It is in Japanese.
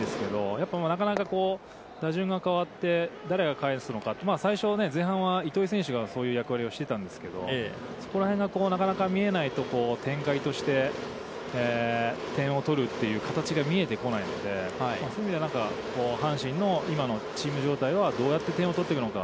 やっぱりなかなか打順が変わって、誰が返すのか、最初、前半は糸井選手が、そういう役割をしていたんですけれども、そこら辺がなかなか見えないところ、展開として点を取るという形が見えてこないので、そういう意味では、阪神の今のチーム状態は、どうやって点を取っていくのか。